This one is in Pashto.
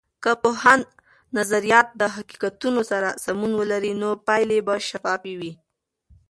که د پوهاند نظریات د حقیقتونو سره سمون ولري، نو پایلې به شفافې وي.